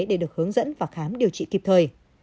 để được hướng dẫn và khám điều trị kịp thời